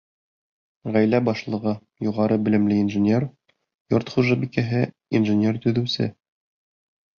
Ғаилә башлығы — юғары белемле инженер, йорт хужабикәһе — инженер-төҙөүсе.